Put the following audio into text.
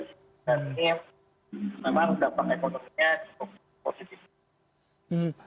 dan ini memang dampak ekonominya cukup positif